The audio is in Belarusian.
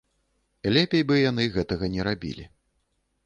Лепей бы яны гэтага не рабілі.